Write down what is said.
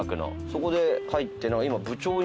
そこで入って。